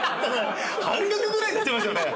半額ぐらいになっちゃいましたね！